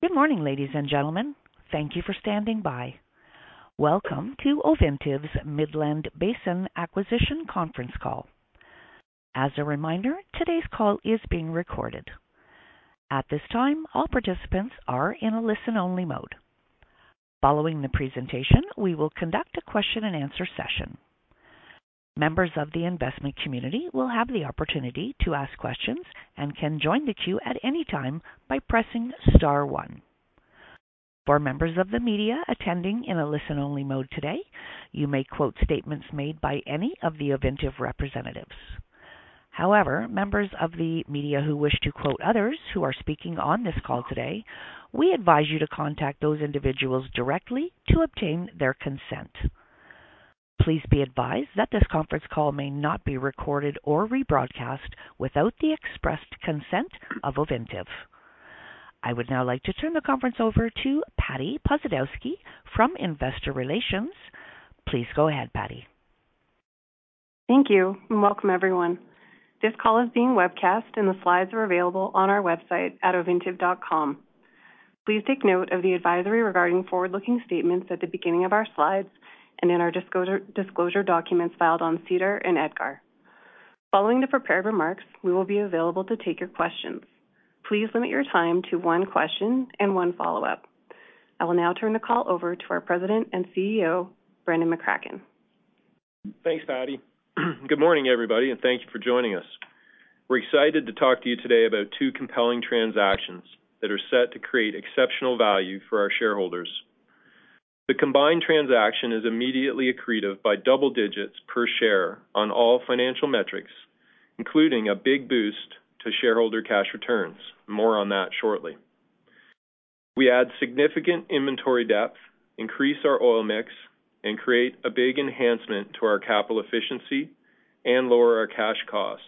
Good morning, ladies and gentlemen. Thank you for standing by. Welcome to Ovintiv's Midland Basin Acquisition conference call. As a reminder, today's call is being recorded. At this time, all participants are in a listen-only mode. Following the presentation, we will conduct a question-and-answer session. Members of the investment community will have the opportunity to ask questions and can join the queue at any time by pressing star one. For members of the media attending in a listen-only mode today, you may quote statements made by any of the Ovintiv representatives. However, members of the media who wish to quote others who are speaking on this call today, we advise you to contact those individuals directly to obtain their consent. Please be advised that this conference call may not be recorded or rebroadcast without the expressed consent of Ovintiv. I would now like to turn the conference over to Patti Posadowski from Investor Relations. Please go ahead, Patti. Thank you, and welcome everyone. This call is being webcast, and the slides are available on our website at ovintiv.com. Please take note of the advisory regarding forward-looking statements at the beginning of our slides and in our disclosure documents filed on SEDAR and EDGAR. Following the prepared remarks, we will be available to take your questions. Please limit your time to one question and one follow-up. I will now turn the call over to our President and CEO, Brendan McCracken. Thanks, Patti. Good morning, everybody, and thank you for joining us. We're excited to talk to you today about two compelling transactions that are set to create exceptional value for our shareholders. The combined transaction is immediately accretive by double digits per share on all financial metrics, including a big boost to shareholder cash returns. More on that shortly. We add significant inventory depth, increase our oil mix, and create a big enhancement to our capital efficiency and lower our cash costs.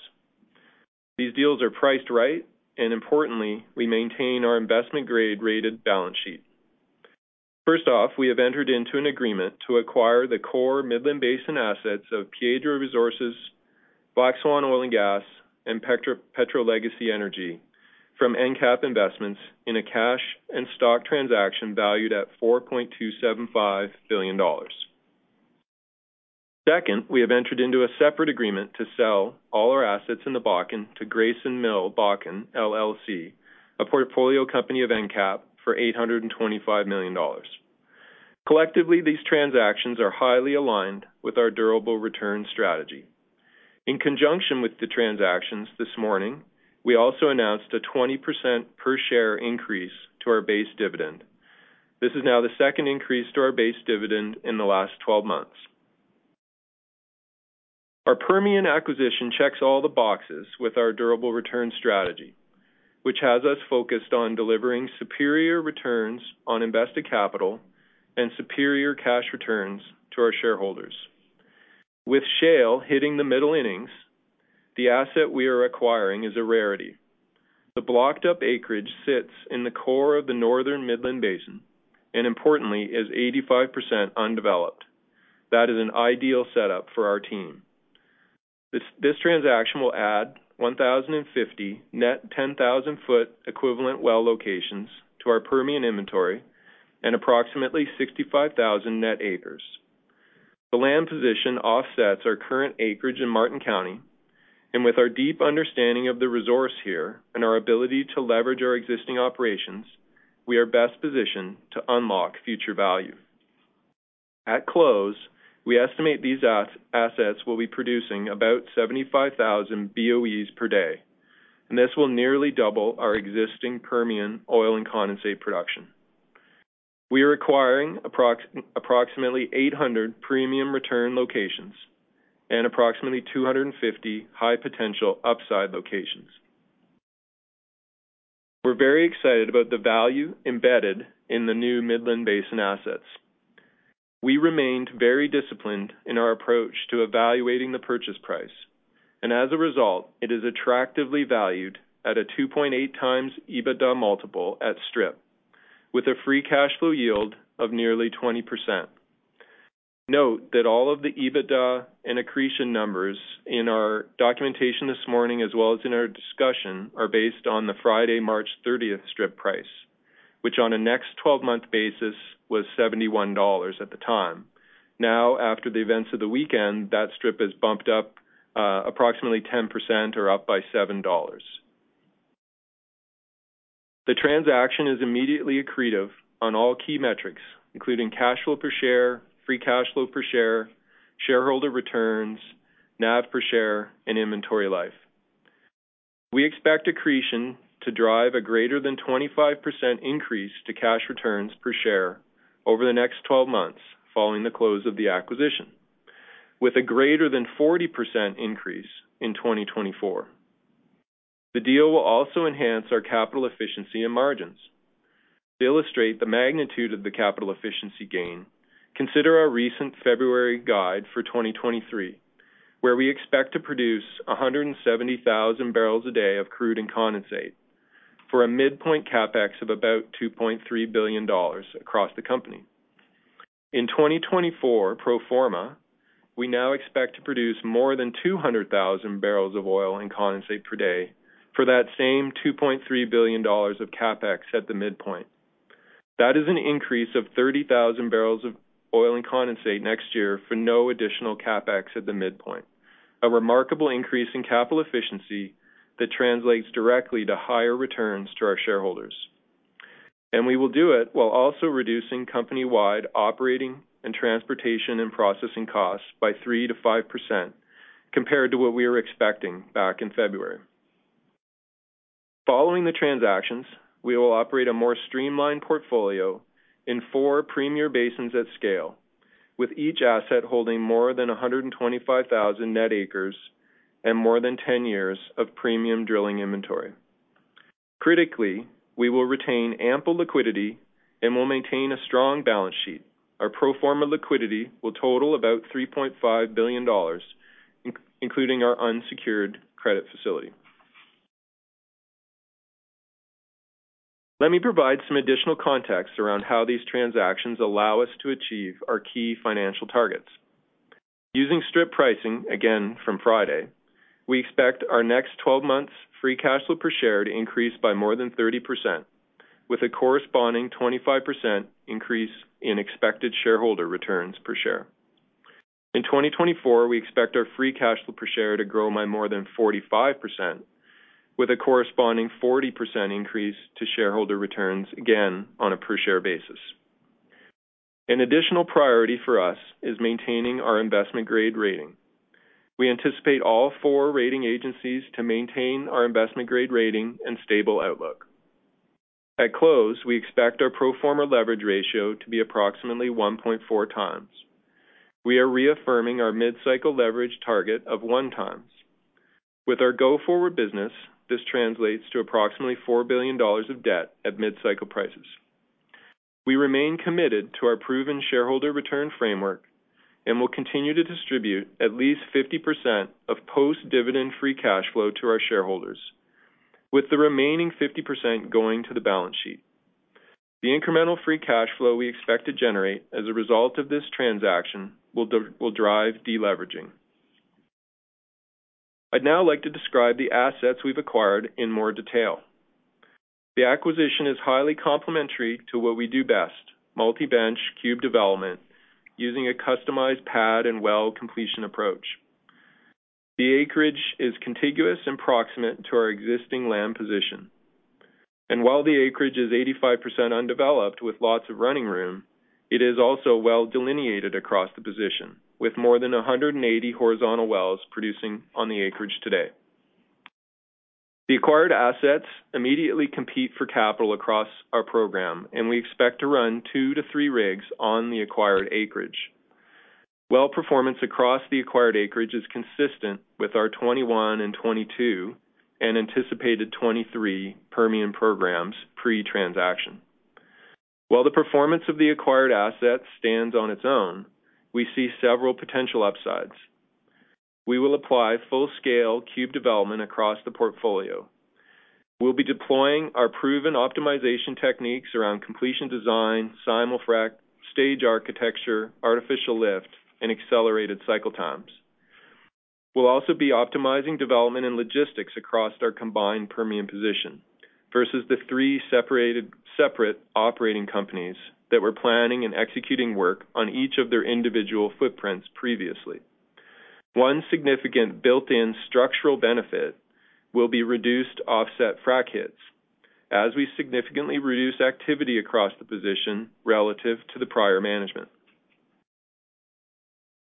These deals are priced right, and importantly, we maintain our investment grade-rated balance sheet. First off, we have entered into an agreement to acquire the core Midland Basin assets of Piedra Resources, Black Swan Oil and Gas, and Petrolegacy Energy from EnCap Investments in a cash and stock transaction valued at $4.275 billion. Second, we have entered into a separate agreement to sell all our assets in the Bakken to Grayson Mill Bakken, LLC, a portfolio company of EnCap, for $825 million. Collectively, these transactions are highly aligned with our durable return strategy. In conjunction with the transactions this morning, we also announced a 20% per share increase to our base dividend. This is now the second increase to our base dividend in the last 12 months. Our Permian acquisition checks all the boxes with our durable return strategy, which has us focused on delivering superior returns on invested capital and superior cash returns to our shareholders. With shale hitting the middle innings, the asset we are acquiring is a rarity. The blocked up acreage sits in the core of the northern Midland Basin, and importantly, is 85% undeveloped. That is an ideal setup for our team. This transaction will add 1,050 net 10,000 foot equivalent well locations to our Permian inventory and approximately 65,000 net acres. The land position offsets our current acreage in Martin County, and with our deep understanding of the resource here and our ability to leverage our existing operations, we are best positioned to unlock future value. At close, we estimate these assets will be producing about 75,000 BOEs per day, and this will nearly double our existing Permian oil and condensate production. We are acquiring approximately 800 premium return locations and approximately 250 high potential upside locations. We're very excited about the value embedded in the new Midland Basin assets. We remained very disciplined in our approach to evaluating the purchase price, and as a result, it is attractively valued at a 2.8x EBITDA multiple at strip, with a free cash flow yield of nearly 20%. Note that all of the EBITDA and accretion numbers in our documentation this morning, as well as in our discussion, are based on the Friday, March 30th strip price, which on a next 12-month basis was $71 at the time. After the events of the weekend, that strip has bumped up, approximately 10% or up by $7. The transaction is immediately accretive on all key metrics, including cash flow per share, free cash flow per share, shareholder returns, NAV per share, and inventory life. We expect accretion to drive a greater than 25% increase to cash returns per share over the next 12 months following the close of the acquisition, with a greater than 40% increase in 2024. The deal will also enhance our CapEx efficiency and margins. To illustrate the magnitude of the CapEx efficiency gain, consider our recent February guide for 2023, where we expect to produce 170,000 barrels a day of crude and condensate for a midpoint CapEx of about $2.3 billion across the company. In 2024 pro forma, we now expect to produce more than 200,000 barrels of oil and condensate per day for that same $2.3 billion of CapEx at the midpoint. That is an increase of 30,000 barrels of oil and condensate next year for no additional CapEx at the midpoint, a remarkable increase in capital efficiency that translates directly to higher returns to our shareholders. We will do it while also reducing company-wide operating and transportation and processing costs by 3%-5% compared to what we were expecting back in February. Following the transactions, we will operate a more streamlined portfolio in four premier basins at scale, with each asset holding more than 125,000 net acres and more than 10 years of premium drilling inventory. Critically, we will retain ample liquidity and will maintain a strong balance sheet. Our pro forma liquidity will total about $3.5 billion, including our unsecured credit facility. Let me provide some additional context around how these transactions allow us to achieve our key financial targets. Using strip pricing, again from Friday, we expect our next 12 months free cash flow per share to increase by more than 30%, with a corresponding 25% increase in expected shareholder returns per share. In 2024, we expect our free cash flow per share to grow by more than 45%, with a corresponding 40% increase to shareholder returns, again on a per share basis. An additional priority for us is maintaining our investment-grade rating. We anticipate all four rating agencies to maintain our investment-grade rating and stable outlook. At close, we expect our pro forma leverage ratio to be approximately 1.4x. We are reaffirming our mid-cycle leverage target of 1x. With our go-forward business, this translates to approximately $4 billion of debt at mid-cycle prices. We remain committed to our proven shareholder return framework and will continue to distribute at least 50% of post-dividend free cash flow to our shareholders, with the remaining 50% going to the balance sheet. The incremental free cash flow we expect to generate as a result of this transaction will drive deleveraging. I'd now like to describe the assets we've acquired in more detail. The acquisition is highly complementary to what we do best, multi-bench cube development, using a customized pad and well completion approach. The acreage is contiguous and proximate to our existing land position. While the acreage is 85% undeveloped with lots of running room, it is also well delineated across the position, with more than 180 horizontal wells producing on the acreage today. The acquired assets immediately compete for capital across our program, and we expect to run 2 rigs-3 rigs on the acquired acreage. Well performance across the acquired acreage is consistent with our 2021 and 2022 and anticipated 2023 Permian programs pre-transaction. While the performance of the acquired assets stands on its own, we see several potential upsides. We will apply full-scale cube development across the portfolio. We'll be deploying our proven optimization techniques around completion design, simulfrac, stage architecture, artificial lift, and accelerated cycle times. We'll also be optimizing development and logistics across our combined Permian position versus the three separate operating companies that were planning and executing work on each of their individual footprints previously. One significant built-in structural benefit will be reduced offset frac hits, as we significantly reduce activity across the position relative to the prior management.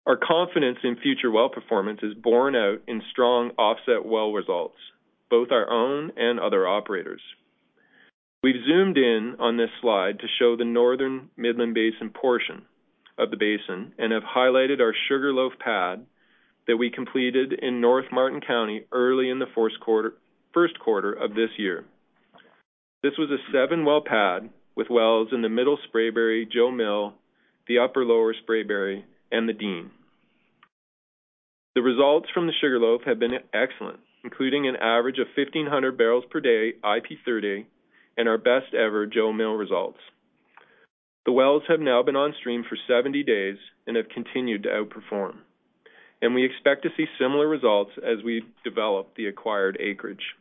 Our confidence in future well performance is borne out in strong offset well results, both our own and other operators. We've zoomed in on this slide to show the Northern Midland Basin portion of the basin and have highlighted our Sugar Loaf pad that we completed in North Martin County early in the first quarter of this year. This was a seven-well pad with wells in the Middle Spraberry Jo Mill, the Upper Lower Spraberry, and the Dean. The results from the Sugar Loaf have been excellent, including an average of 1,500 barrels per day IP30, and our best ever Jo Mill results. The wells have now been on stream for 70 days and have continued to outperform. We expect to see similar results as we develop the acquired acreage.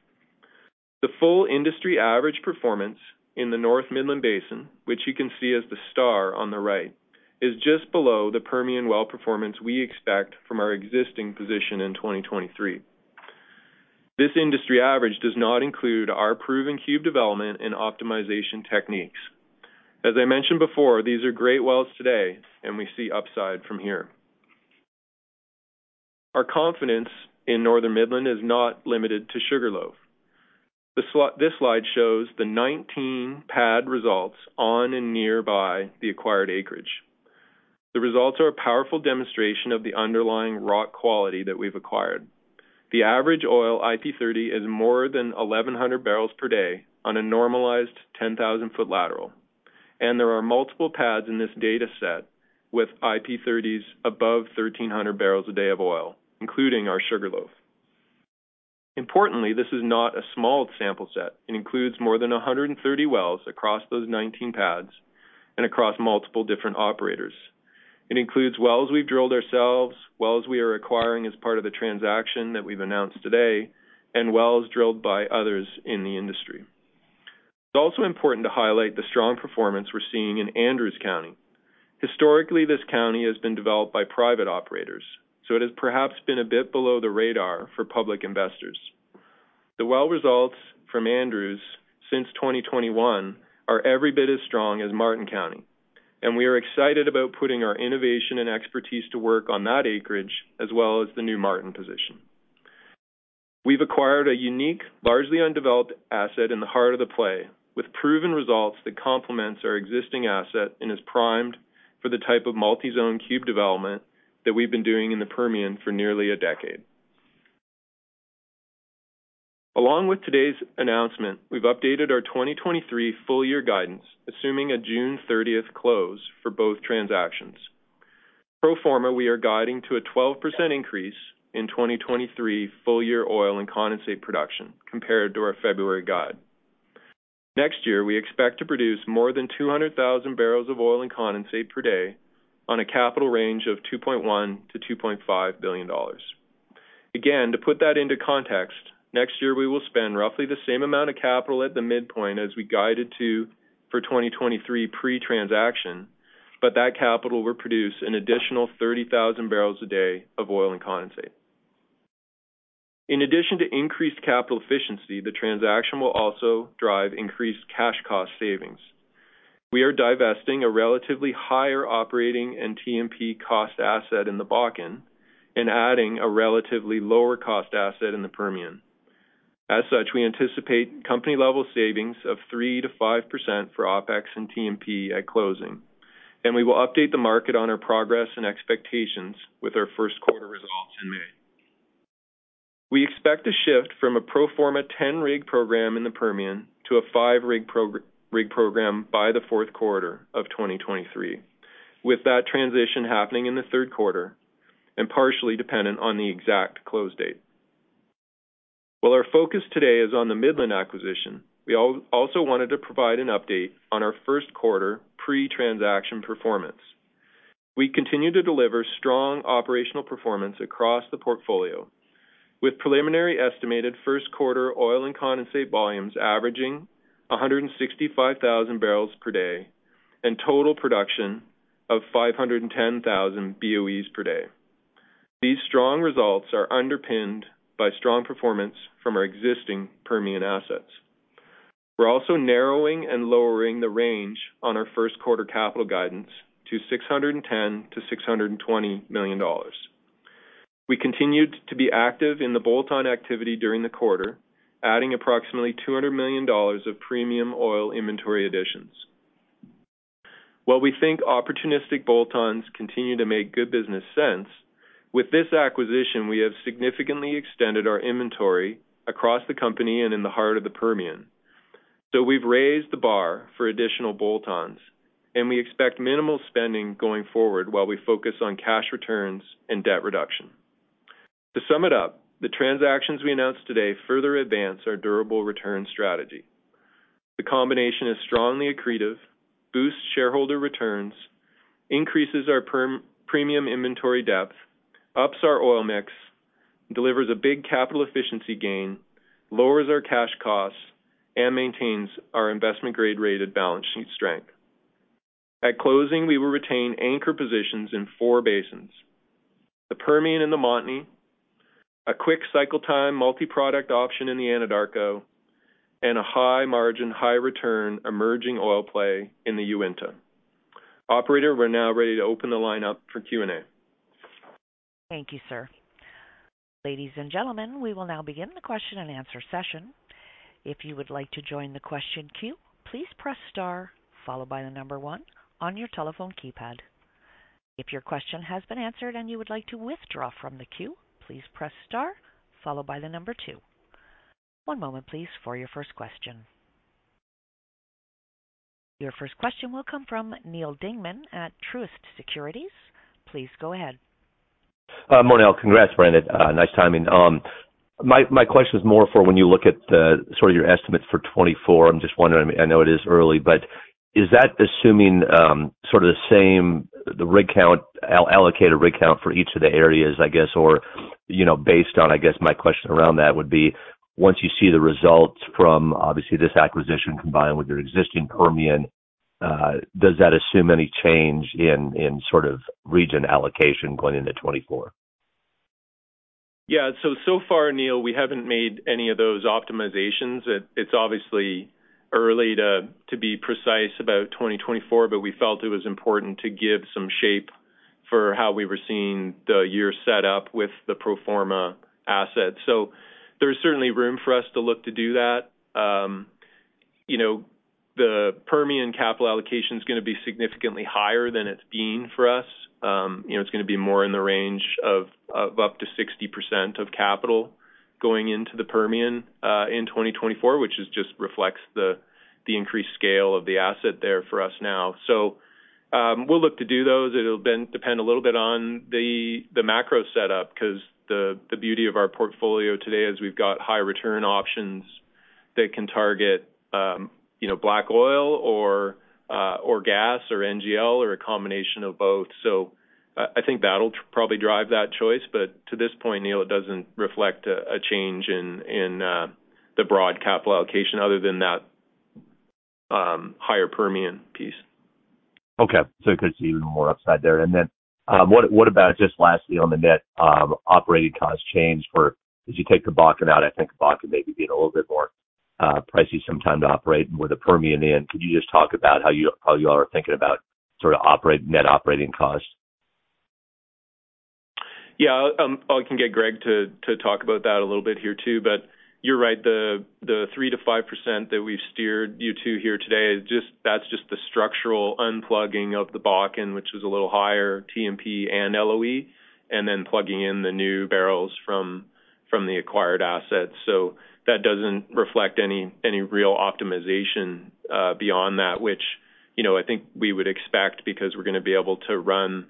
The full industry average performance in the North Midland Basin, which you can see as the star on the right, is just below the Permian well performance we expect from our existing position in 2023. This industry average does not include our proven cube development and optimization techniques. As I mentioned before, these are great wells today, and we see upside from here. Our confidence in Northern Midland is not limited to Sugar Loaf. This slide shows the 19 pad results on and nearby the acquired acreage. The results are a powerful demonstration of the underlying rock quality that we've acquired. The average oil IP30 is more than 1,100 barrels per day on a normalized 10,000 foot lateral, and there are multiple pads in this data set with IP30s above 1,300 barrels a day of oil, including our Sugar Loaf. This is not a small sample set. It includes more than 130 wells across those 19 pads and across multiple different operators. It includes wells we've drilled ourselves, wells we are acquiring as part of the transaction that we've announced today, and wells drilled by others in the industry. It's also important to highlight the strong performance we're seeing in Andrews County. It has perhaps been a bit below the radar for public investors. The well results from Andrews since 2021 are every bit as strong as Martin County. We are excited about putting our innovation and expertise to work on that acreage as well as the new Martin position. We've acquired a unique, largely undeveloped asset in the heart of the play, with proven results that complements our existing asset and is primed for the type of multi-zone cube development that we've been doing in the Permian for nearly a decade. Along with today's announcement, we've updated our 2023 full year guidance, assuming a June 30th close for both transactions. Pro forma, we are guiding to a 12% increase in 2023 full year oil and condensate production compared to our February guide. Next year, we expect to produce more than 200,000 barrels of oil and condensate per day on a capital range of $2.1 billion-$2.5 billion. To put that into context, next year we will spend roughly the same amount of capital at the midpoint as we guided to for 2023 pre-transaction, that capital will produce an additional 30,000 barrels a day of oil and condensate. In addition to increased capital efficiency, the transaction will also drive increased cash cost savings. We are divesting a relatively higher operating and TMP cost asset in the Bakken and adding a relatively lower cost asset in the Permian. As such, we anticipate company level savings of 3%-5% for OpEx and TMP at closing. We will update the market on our progress and expectations with our first quarter results in May. We expect a shift from a pro forma 10-rig program in the Permian to a 5-rig program by the fourth quarter of 2023, with that transition happening in the third quarter and partially dependent on the exact close date. While our focus today is on the Midland acquisition, we also wanted to provide an update on our first quarter pre-transaction performance. We continue to deliver strong operational performance across the portfolio, with preliminary estimated first quarter oil and condensate volumes averaging 165,000 barrels per day and total production of 510,000 BOEs per day. These strong results are underpinned by strong performance from our existing Permian assets. We're also narrowing and lowering the range on our first quarter capital guidance to $610 million-$620 million. We continued to be active in the bolt-on activity during the quarter, adding approximately $200 million of premium oil inventory additions. While we think opportunistic bolt-ons continue to make good business sense, with this acquisition, we have significantly extended our inventory across the company and in the heart of the Permian. We've raised the bar for additional bolt-ons, and we expect minimal spending going forward while we focus on cash returns and debt reduction. To sum it up, the transactions we announced today further advance our durable return strategy. The combination is strongly accretive, boosts shareholder returns, increases our Permian inventory depth, ups our oil mix, delivers a big capital efficiency gain, lowers our cash costs, and maintains our investment grade rated balance sheet strength. At closing, we will retain anchor positions in four basins. The Permian and the Montney, a quick cycle time multi-product option in the Anadarko, and a high margin, high return emerging oil play in the Uinta. Operator, we're now ready to open the line up for Q&A. Thank you, sir. Ladies and gentlemen, we will now begin the question-and-answer session. If you would like to join the question queue, please press star followed by 1 on your telephone keypad. If your question has been answered and you would like to withdraw from the queue, please press star followed by 2. One moment, please, for your first question. Your first question will come from Neal Dingman at Truist Securities. Please go ahead. Monel, congrats, Brendan. Nice timing. My question is more for when you look at sort of your estimates for 2024. I'm just wondering, I know it is early, but is that assuming sort of the same, the rig count, all-allocated rig count for each of the areas, I guess? You know, based on, I guess my question around that would be, once you see the results from obviously this acquisition combined with your existing Permian, does that assume any change in sort of region allocation going into 2024? So far, Neal, we haven't made any of those optimizations. It's obviously early to be precise about 2024, but we felt it was important to give some shape for how we were seeing the year set up with the pro forma asset. There's certainly room for us to look to do that. You know, the Permian capital allocation is gonna be significantly higher than it's been for us. You know, it's gonna be more in the range of up to 60% of capital going into the Permian in 2024, which just reflects the increased scale of the asset there for us now. We'll look to do those. It'll then depend a little bit on the macro setup, 'cause the beauty of our portfolio today is we've got high return options that can target, you know, black oil or gas or NGL or a combination of both. I think that'll probably drive that choice. To this point, Neil, it doesn't reflect a change in the broad capital allocation other than that higher Permian piece. It could see even more upside there. What about just lastly on the net operating cost change for... As you take the Bakken out, I think Bakken may be getting a little bit more pricey sometime to operate with the Permian in. Could you just talk about how you all are thinking about net operating costs? I can get Greg to talk about that a little bit here too, but you're right. The 3%-5% that we've steered you to here today is just that's just the structural unplugging of the Bakken, which is a little higher TMP and LOE, and then plugging in the new barrels from the acquired assets. That doesn't reflect any real optimization beyond that, which, you know, I think we would expect because we're gonna be able to run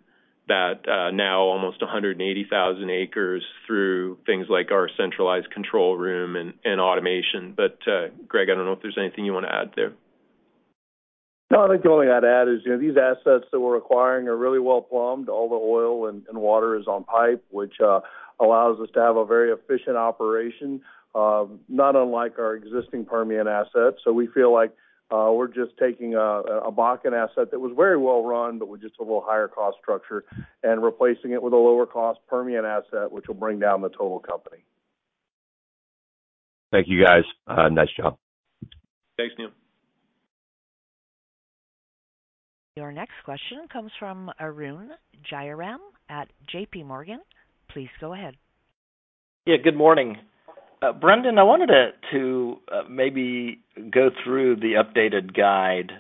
that now almost 180,000 acres through things like our centralized control room and automation. Greg, I don't know if there's anything you wanna add there. No, I think the only thing I'd add is, you know, these assets that we're acquiring are really well plumbed. All the oil and water is on pipe, which allows us to have a very efficient operation, not unlike our existing Permian assets. We feel like we're just taking a Bakken asset that was very well run, but with just a little higher cost structure and replacing it with a lower cost Permian asset, which will bring down the total company. Thank you, guys. Nice job. Thanks, Neil. Your next question comes from Arun Jayaram at JP Morgan. Please go ahead. Good morning. Brendan, I wanted to maybe go through the updated guide.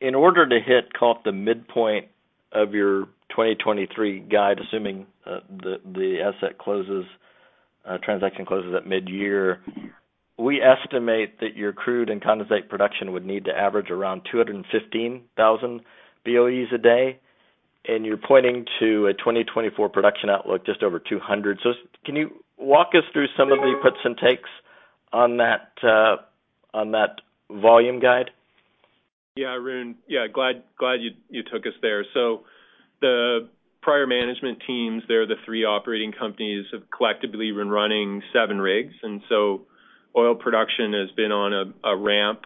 In order to hit, call it the midpoint of your 2023 guide, assuming the asset closes, transaction closes at midyear, we estimate that your crude and condensate production would need to average around 215,000 BOE/day, and you're pointing to a 2024 production outlook just over 200,000 BOE/day. Can you walk us through some of the puts and takes on that volume guide? Arun. Glad you took us there. The prior management teams there, the three operating companies, have collectively been running seven rigs. Oil production has been on a ramp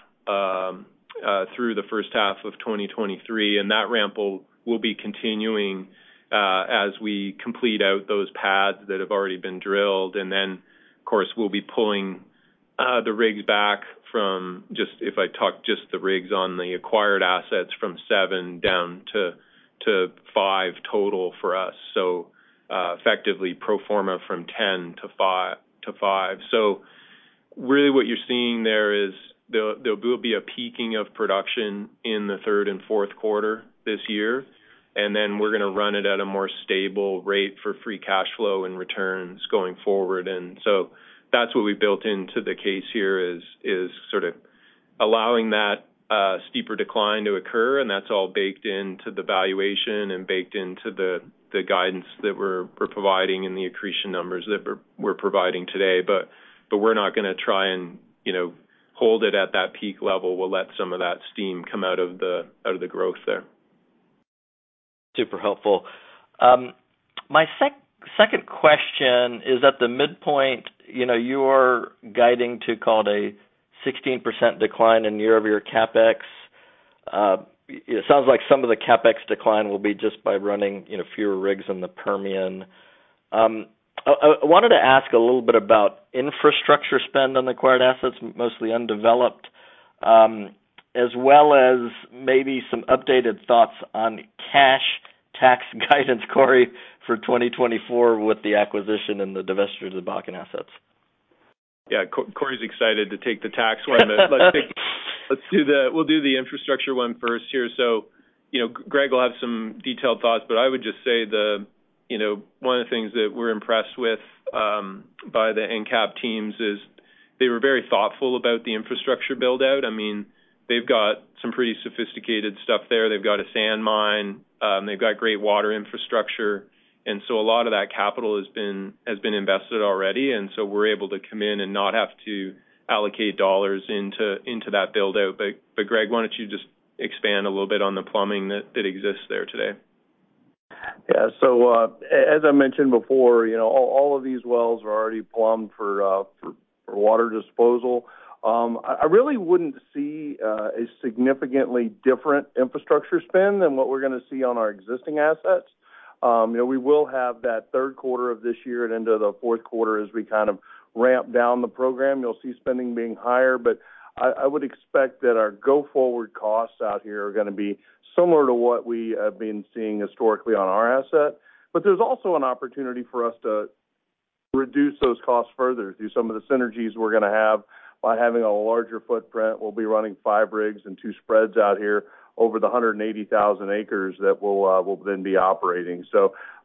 through the first half of 2023, and that ramp will be continuing as we complete out those pads that have already been drilled. Then, of course, we'll be pulling the rigs back from just if I talk just the rigs on the acquired assets from seven down to five total for us, effectively pro forma from 10 to five. Really what you're seeing there is there'll be a peaking of production in the third and fourth quarter this year, we're gonna run it at a more stable rate for free cash flow and returns going forward. That's what we built into the case here is sort of allowing that steeper decline to occur, and that's all baked into the valuation and baked into the guidance that we're providing and the accretion numbers that we're providing today. But we're not gonna try and, you know, hold it at that peak level. We'll let some of that steam come out of the growth there. Super helpful. My second question is, at the midpoint, you know, you are guiding to call it a 16% decline in year-over-year CapEx. It sounds like some of the CapEx decline will be just by running, you know, fewer rigs in the Permian. I wanted to ask a little bit about infrastructure spend on acquired assets, mostly undeveloped, as well as maybe some updated thoughts on cash tax guidance, Corey, for 2024 with the acquisition and the divestiture of the Bakken assets. Yeah. Corey's excited to take the tax one. Let's do the infrastructure one first here. You know, Greg will have some detailed thoughts, but I would just say the, you know, one of the things that we're impressed with by the EnCap teams is they were very thoughtful about the infrastructure build-out. I mean, they've got some pretty sophisticated stuff there. They've got a sand mine. They've got great water infrastructure. So a lot of that capital has been invested already, so we're able to come in and not have to allocate dollars into that build-out. Greg, why don't you just expand a little bit on the plumbing that exists there today? Yeah. As I mentioned before, you know, all of these wells are already plumbed for water disposal. I really wouldn't see a significantly different infrastructure spend than what we're gonna see on our existing assets. You know, we will have that third quarter of this year and into the fourth quarter as we kind of ramp down the program. You'll see spending being higher, but I would expect that our go-forward costs out here are gonna be similar to what we have been seeing historically on our asset. There's also an opportunity for us to reduce those costs further through some of the synergies we're gonna have by having a larger footprint. We'll be running five rigs and two spreads out here over the 180,000 acres that we'll then be operating.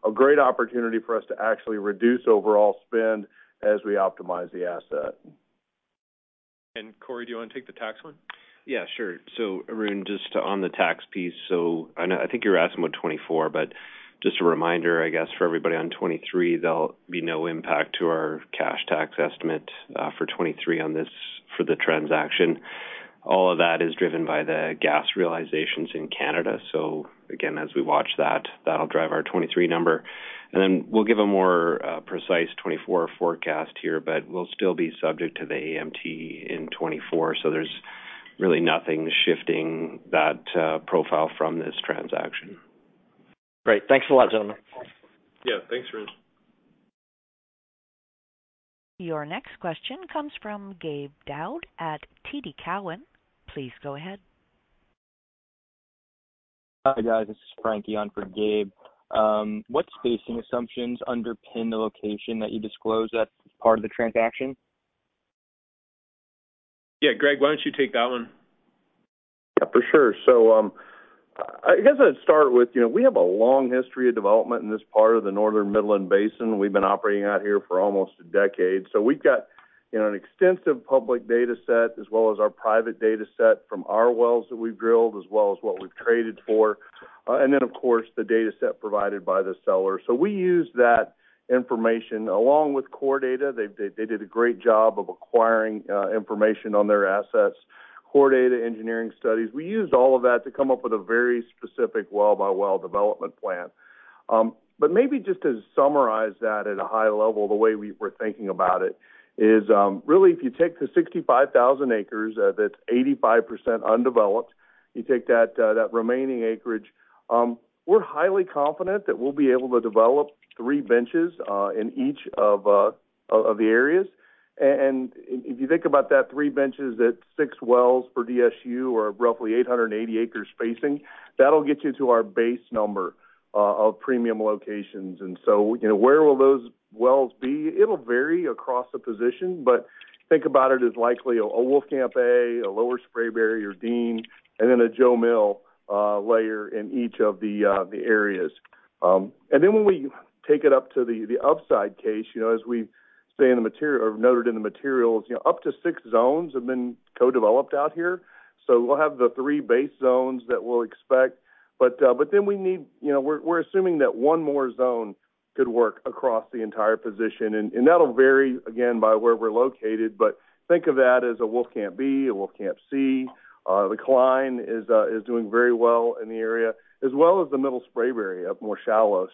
A great opportunity for us to actually reduce overall spend as we optimize the asset. Corey, do you wanna take the tax one? Yeah, sure. Arun, just on the tax piece. I think you're asking about 2024, but just a reminder, I guess, for everybody on 2023, there'll be no impact to our cash tax estimate for 2023 on this, for the transaction. All of that is driven by the gas realizations in Canada. Again, as we watch that'll drive our 2023 number. We'll give a more precise 2024 forecast here, but we'll still be subject to the AMT in 2024, so there's really nothing shifting that profile from this transaction. Great. Thanks a lot, gentlemen. Yeah. Thanks, Arun. Your next question comes from Gabe Daoud at TD Cowen. Please go ahead. Hi, guys. This is Frank Dion for Gabe. What spacing assumptions underpin the location that you disclosed as part of the transaction? Yeah. Greg, why don't you take that one? Yeah, for sure. I guess I'd start with, you know, we have a long history of development in this part of the Northern Midland Basin. We've been operating out here for almost a decade. We've got, you know, an extensive public data set as well as our private data set from our wells that we've drilled, as well as what we've traded for. And then of course, the data set provided by the seller. We use that information along with core data. They did a great job of acquiring information on their assets, core data engineering studies. We used all of that to come up with a very specific well-by-well development plan. Maybe just to summarize that at a high level, the way we were thinking about it is, really if you take the 65,000 acres, that's 85% undeveloped, you take that remaining acreage, we're highly confident that we'll be able to develop three benches in each of the areas. If you think about that, three benches at six wells per DSU or roughly 880 acre spacing, that'll get you to our base number of premium locations. You know, where will those wells be? It'll vary across the position, but think about it as likely a Wolfcamp A, a Lower Spraberry or Dean, and then a Jo Mill layer in each of the areas. When we take it up to the upside case, you know, as we say in the material or noted in the materials, you know, up to six zones have been co-developed out here. We'll have the three base zones that we'll expect. You know, we're assuming that 1 more zone could work across the entire position, and that'll vary again by where we're located. Think of that as a Wolfcamp B, a Wolfcamp C. The Klein is doing very well in the area, as well as the Middle Spraberry up more shallow.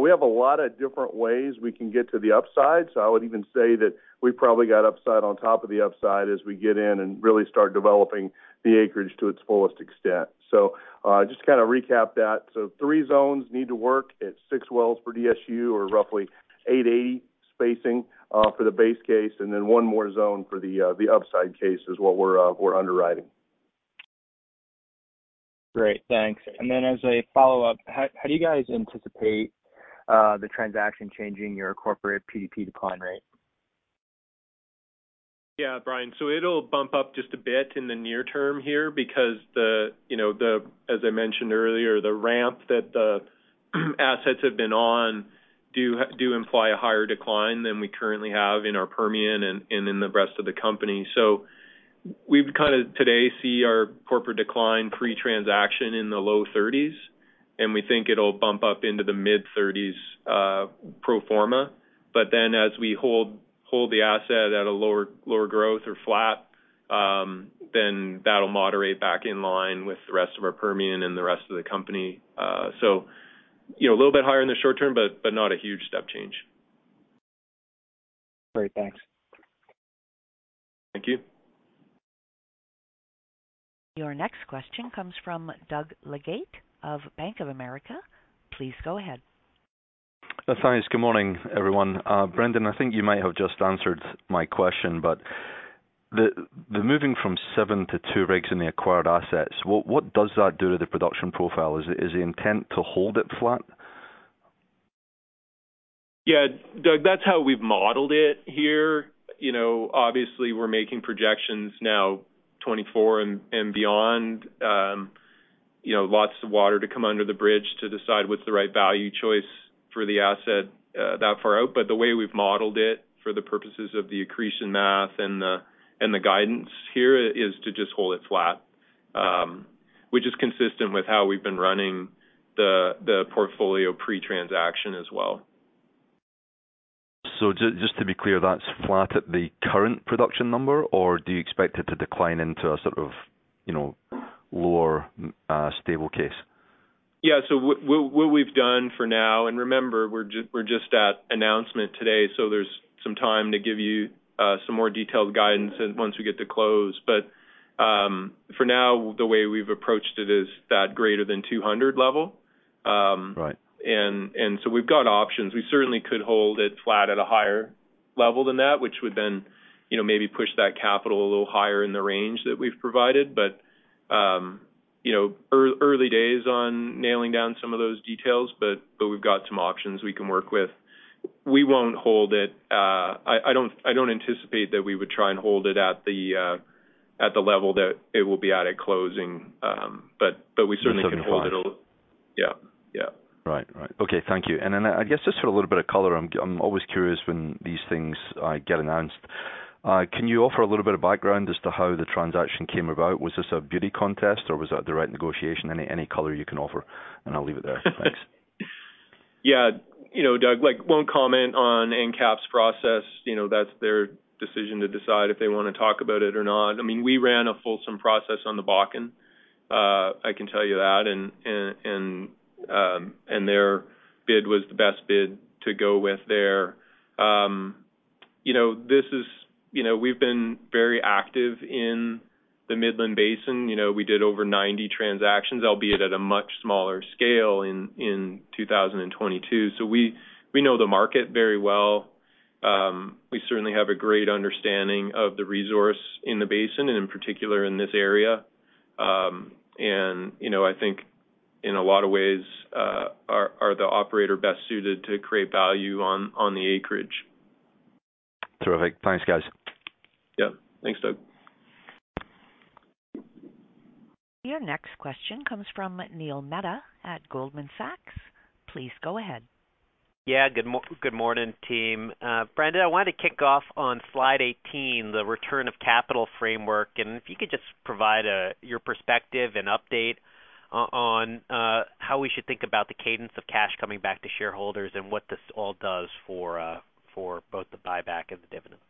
We have a lot of different ways we can get to the upside. I would even say that we probably got upside on top of the upside as we get in and really start developing the acreage to its fullest extent. Just to kind of recap that. Three zones need to work at six wells per DSU or roughly 880 spacing for the base case, and then one more zone for the upside case is what we're underwriting. Great, thanks. As a follow-up, how do you guys anticipate the transaction changing your corporate PDP decline rate? Yeah, Brian. It'll bump up just a bit in the near term here because, you know, as I mentioned earlier, the ramp that the assets have been on do imply a higher decline than we currently have in our Permian and in the rest of the company. We've kinda today see our corporate decline pre-transaction in the low thirties, and we think it'll bump up into the mid-thirties pro forma. As we hold the asset at a lower growth or flat, then that'll moderate back in line with the rest of our Permian and the rest of the company. You know, a little bit higher in the short term, but not a huge step change. Great. Thanks. Thank you. Your next question comes from Doug Leggate of Bank of America. Please go ahead. Thanks. Good morning, everyone. Brendan, I think you might have just answered my question, but the moving from 7 rigs-2 rigs in the acquired assets, what does that do to the production profile? Is the intent to hold it flat? Yeah. Doug, that's how we've modeled it here. You know, obviously, we're making projections now 2024 and beyond. You know, lots of water to come under the bridge to decide what's the right value choice for the asset that far out. The way we've modeled it for the purposes of the accretion math and the guidance here is to just hold it flat, which is consistent with how we've been running the portfolio pre-transaction as well. Just to be clear, that's flat at the current production number, or do you expect it to decline into a sort of, you know, lower, stable case? Yeah. What we've done for now, and remember, we're just at announcement today, so there's some time to give you some more detailed guidance once we get to close. For now, the way we've approached it is that greater than 200 level. Right. We've got options. We certainly could hold it flat at a higher level than that, which would then, you know, maybe push that capital a little higher in the range that we've provided. You know, early days on nailing down some of those details, but we've got some options we can work with. We won't hold it. I don't anticipate that we would try and hold it at the level that it will be at at closing. But we certainly can hold it a little. Yeah. Yeah. Right. Right. Okay. Thank you. Then I guess just for a little bit of color, I'm always curious when these things get announced. Can you offer a little bit of background as to how the transaction came about? Was this a beauty contest or was that the right negotiation? Any color you can offer, I'll leave it there. Thanks. Yeah. You know, Doug, like, won't comment on EnCap's process. You know, that's their decision to decide if they wanna talk about it or not. I mean, we ran a fulsome process on the Bakken. I can tell you that. And their bid was the best bid to go with there. You know, this is. You know, we've been very active in the Midland Basin. You know, we did over 90 transactions, albeit at a much smaller scale in 2022. We know the market very well. We certainly have a great understanding of the resource in the basin and in particular in this area. And, you know, I think in a lot of ways, are the operator best suited to create value on the acreage. Terrific. Thanks, guys. Yeah. Thanks, Doug. Your next question comes from Neil Mehta at Goldman Sachs. Please go ahead. Yeah. Good morning, team. Brendan, I wanted to kick off on slide 18, the return of capital framework. If you could just provide your perspective and update on how we should think about the cadence of cash coming back to shareholders and what this all does for both the buyback and the dividend.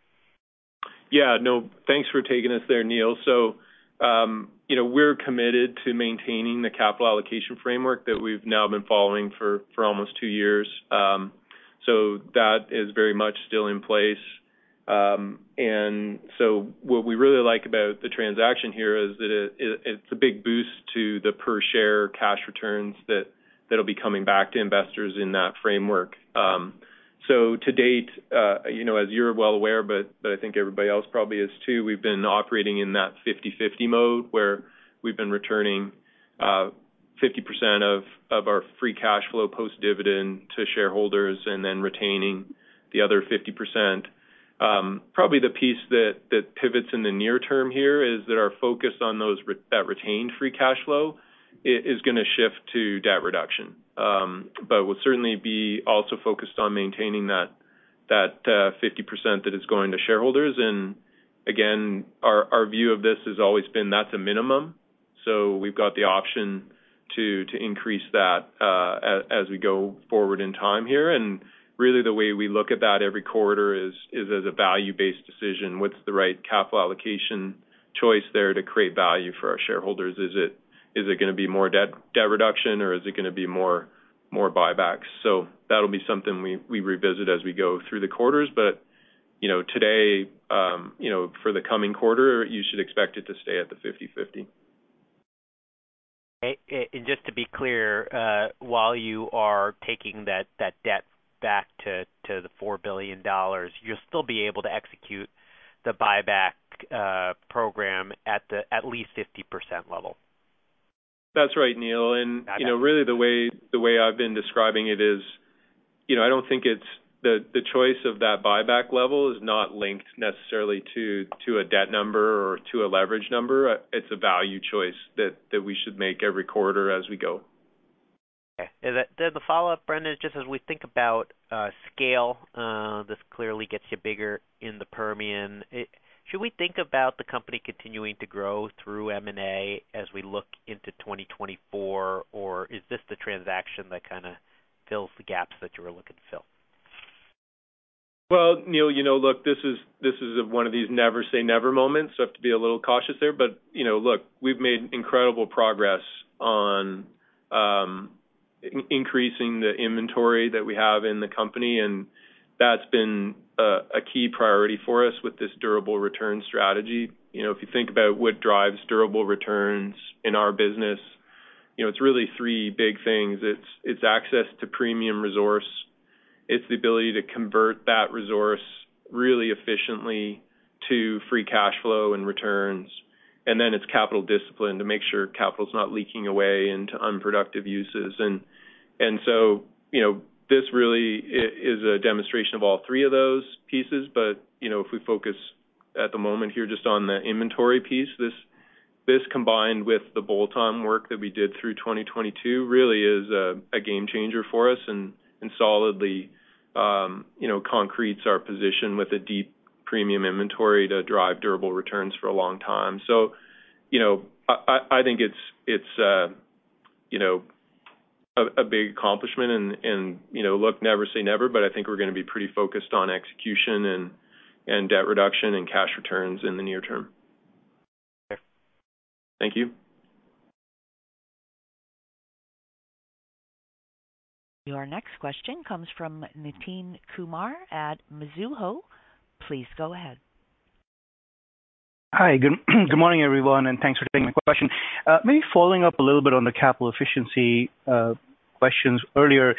Yeah, no, thanks for taking us there, Neil. You know, we're committed to maintaining the capital allocation framework that we've now been following for almost two years. That is very much still in place. What we really like about the transaction here is that it's a big boost to the per share cash returns that'll be coming back to investors in that framework. To date, you know, as you're well aware, but I think everybody else probably is too, we've been operating in that 50/50 mode, where we've been returning 50% of our free cash flow post dividend to shareholders and then retaining the other 50%. Probably the piece that pivots in the near term here is that our focus on that retained free cash flow is gonna shift to debt reduction. We'll certainly be also focused on maintaining that, 50% that is going to shareholders. Again, our view of this has always been that's a minimum. We've got the option to increase that, as we go forward in time here. Really the way we look at that every quarter is as a value-based decision. What's the right capital allocation choice there to create value for our shareholders? Is it gonna be more debt reduction, or is it gonna be more buybacks? That'll be something we revisit as we go through the quarters. You know, today, you know, for the coming quarter, you should expect it to stay at the 50/50. Just to be clear, while you are taking that debt back to the $4 billion, you'll still be able to execute the buyback program at the least 50% level? That's right, Neil. you know, really the way I've been describing it is, you know, I don't think it's the choice of that buyback level is not linked necessarily to a debt number or to a leverage number. It's a value choice that we should make every quarter as we go. Okay. The follow-up, Brendan, is just as we think about scale, this clearly gets you bigger in the Permian. Should we think about the company continuing to grow through M&A as we look into 2024? Or is this the transaction that kinda fills the gaps that you were looking to fill? Well, Neil, you know, look, this is one of these never say never moments, so I have to be a little cautious there. You know, look, we've made incredible progress on increasing the inventory that we have in the company, and that's been a key priority for us with this durable return strategy. You know, if you think about what drives durable returns in our business, you know, it's really three big things. It's access to premium resource. It's the ability to convert that resource really efficiently to free cash flow and returns. It's capital discipline to make sure capital's not leaking away into unproductive uses. You know, this really is a demonstration of all three of those pieces. You know, if we focus at the moment here just on the inventory piece, this combined with the bolt-on work that we did through 2022 really is a game changer for us and solidly, you know, concretes our position with a deep premium inventory to drive durable returns for a long time. You know, I, I think it's, you know, a big accomplishment and, you know, look, never say never, but I think we're gonna be pretty focused on execution and debt reduction and cash returns in the near term. Okay. Thank you. Your next question comes from Nitin Kumar at Mizuho. Please go ahead. Hi. Good morning, everyone, and thanks for taking the question. Maybe following up a little bit on the capital efficiency questions earlier.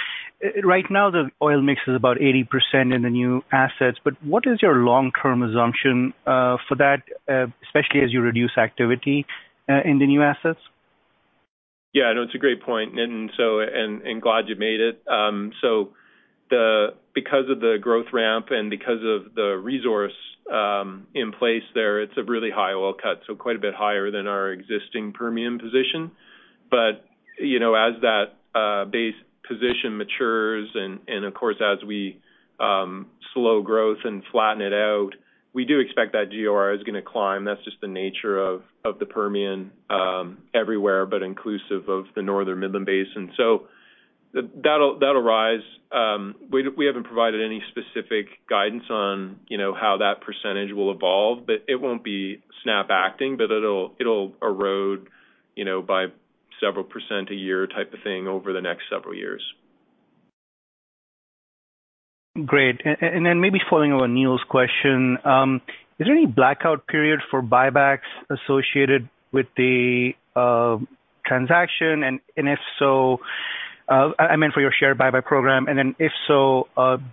Right now, the oil mix is about 80% in the new assets, but what is your long-term assumption for that, especially as you reduce activity in the new assets? Yeah, no, it's a great point, Nitin. Glad you made it. Because of the growth ramp and because of the resource in place there, it's a really high oil cut, so quite a bit higher than our existing Permian position. You know, as that base position matures and of course, as we slow growth and flatten it out, we do expect that GOR is gonna climb. That's just the nature of the Permian everywhere, but inclusive of the Northern Midland Basin. That'll rise. We haven't provided any specific guidance on, you know, how that percentage will evolve, it won't be snap acting. It'll erode, you know, by several % a year type of thing over the next several years. Great. And then maybe following on Neil's question, is there any blackout period for buybacks associated with the transaction? And if so, I mean, for your share buyback program. If so,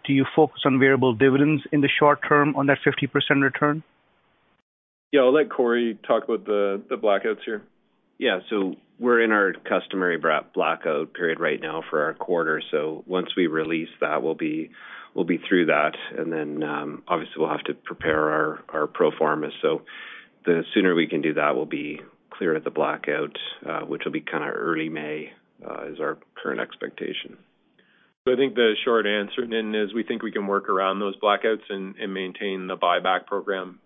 do you focus on variable dividends in the short term on that 50% return? Yeah. I'll let Corey talk about the blackouts here. We're in our customary blackout period right now for our quarter. Once we release that, we'll be through that. Obviously we'll have to prepare our pro forma. The sooner we can do that, we'll be clear of the blackout, which will be kinda early May, is our current expectation. I think the short answer, Nitin, is we think we can work around those blackouts and maintain the buyback program.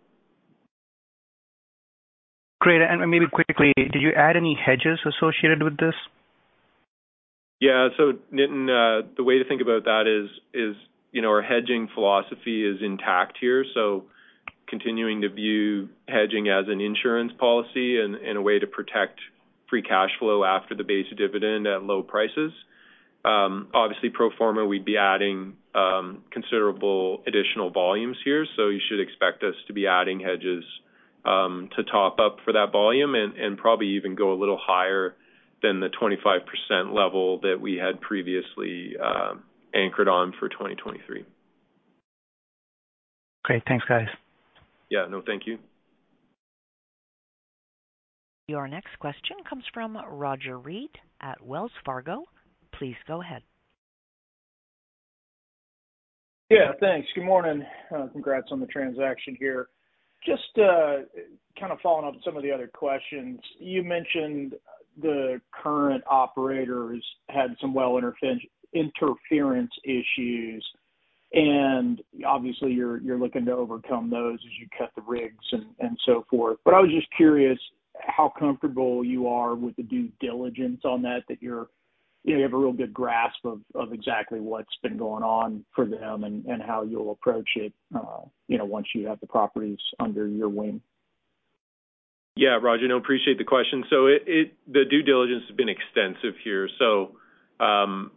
Great. Maybe quickly, did you add any hedges associated with this? Yeah. Nitin, the way to think about that is, you know, our hedging philosophy is intact here, continuing to view hedging as an insurance policy and a way to protect free cash flow after the base dividend at low prices. Obviously pro forma, we'd be adding considerable additional volumes here, you should expect us to be adding hedges to top up for that volume and probably even go a little higher than the 25% level that we had previously anchored on for 2023. Great. Thanks, guys. Yeah. No, thank you. Your next question comes from Roger Read at Wells Fargo. Please go ahead. Yeah, thanks. Good morning. Congrats on the transaction here. Just to kind of following up some of the other questions. You mentioned the current operators had some well interference issues, and obviously you're looking to overcome those as you cut the rigs and so forth. I was just curious how comfortable you are with the due diligence on that you have a real good grasp of exactly what's been going on for them and how you'll approach it, you know, once you have the properties under your wing. Roger, no, appreciate the question. The due diligence has been extensive here. Our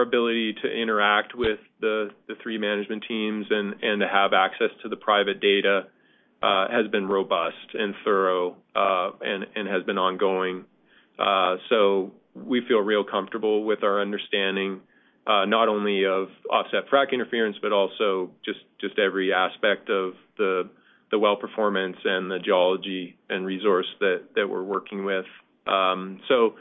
ability to interact with the three management teams and to have access to the private data has been robust and thorough and has been ongoing. We feel real comfortable with our understanding, not only of offset frac interference, but also just every aspect of the well performance and the geology and resource that we're working with. The offset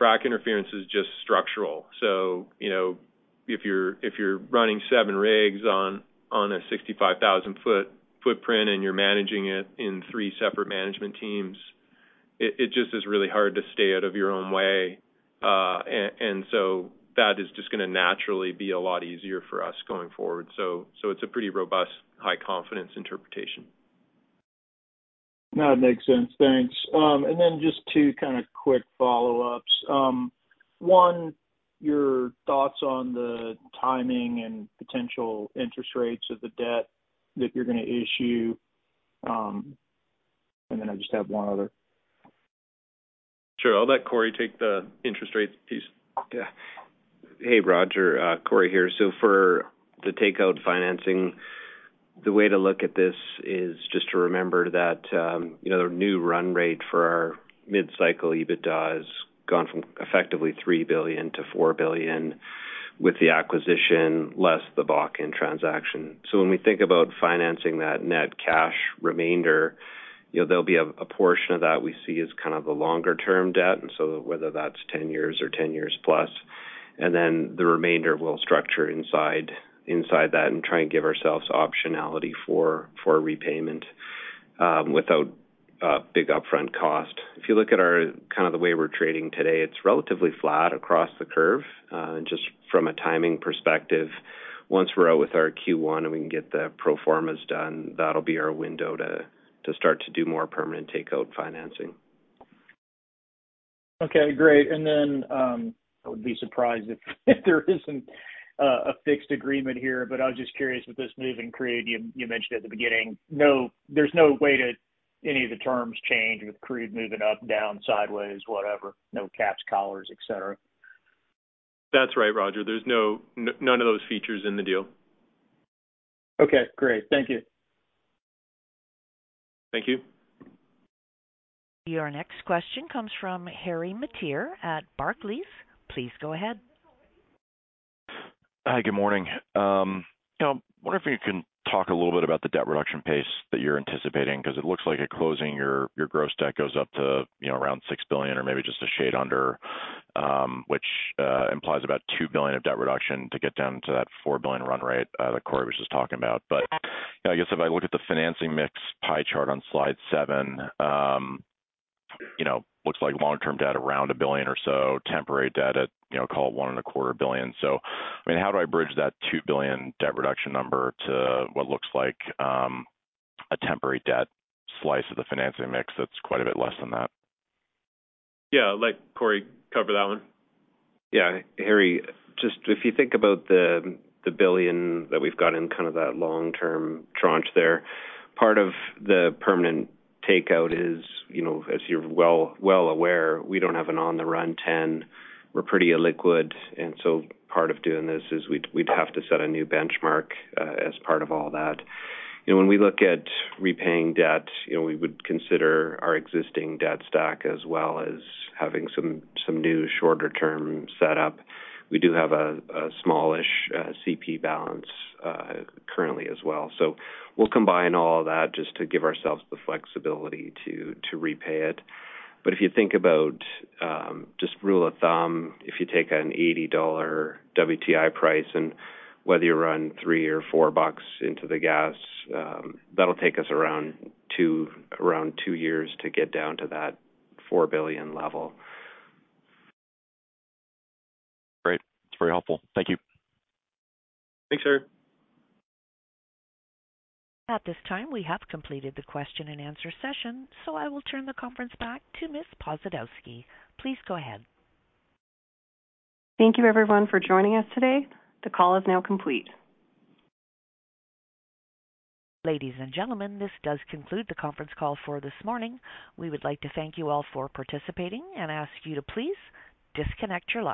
frac interference is just structural. If you're running seven rigs on a 65,000 foot footprint and you're managing it in three separate management teams, it just is really hard to stay out of your own way. That is just gonna naturally be a lot easier for us going forward. It's a pretty robust, high confidence interpretation. No, it makes sense. Thanks. Then just two kinda quick follow-ups. One, your thoughts on the timing and potential interest rates of the debt that you're gonna issue. Then I just have one other. Sure. I'll let Corey take the interest rate piece. Hey, Roger. Corey here. For the takeout financing, the way to look at this is just to remember that, you know, the new run rate for our mid-cycle EBITDA has gone from effectively $3 billion-$4 billion with the acquisition, less the Bakken transaction. When we think about financing that net cash remainder, you know, there'll be a portion of that we see as kind of a longer term debt, whether that's 10 years or 10+ years. The remainder we'll structure inside that and try and give ourselves optionality for repayment, without big upfront cost. If you look at kind of the way we're trading today, it's relatively flat across the curve. Just from a timing perspective, once we're out with our Q1 and we can get the pro formas done, that'll be our window to start to do more permanent takeout financing. Okay, great. I would be surprised if there isn't a fixed agreement here, but I was just curious with this move in crude you mentioned at the beginning. There's no way to any of the terms change with crude moving up, down, sideways, whatever, no caps, collars, et cetera? That's right, Roger. There's none of those features in the deal. Okay, great. Thank you. Thank you. Your next question comes from Harry Mateer at Barclays. Please go ahead. Hi, good morning. You know, wonder if you can talk a little bit about the debt reduction pace that you're anticipating, 'cause it looks like at closing your gross debt goes up to, you know, around $6 billion or maybe just a shade under, which implies about $2 billion of debt reduction to get down to that $4 billion run rate that Corey was just talking about. You know, I guess if I look at the financing mix pie chart on slide seven, you know, looks like long-term debt around $1 billion or so, temporary debt at, you know, call it one and a quarter billion dollars. I mean, how do I bridge that $2 billion debt reduction number to what looks like a temporary debt slice of the financing mix that's quite a bit less than that? Yeah. I'll let Corey cover that one. Harry, just if you think about the $1 billion that we've got in kind of that long-term tranche there, part of the permanent takeout is, you know, as you're well aware, we don't have an on the run 10. We're pretty illiquid, part of doing this is we'd have to set a new benchmark as part of all that. You know, when we look at repaying debt, you know, we would consider our existing debt stock as well as having some new shorter term set up. We do have a smallish CP balance currently as well. We'll combine all of that just to give ourselves the flexibility to repay it. If you think about, just rule of thumb, if you take an $80 WTI price and whether you run $3 or $4 into the gas, that'll take us around two years to get down to that $4 billion level. Great. That's very helpful. Thank you. Thanks, sir. At this time, we have completed the question and answer session, so I will turn the conference back to Ms. Posadowski. Please go ahead. Thank you everyone for joining us today. The call is now complete. Ladies and gentlemen, this does conclude the conference call for this morning. We would like to thank you all for participating and ask you to please disconnect your lines.